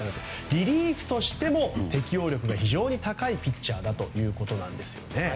リリーフとしても適応力が非常に高いピッチャーだということです。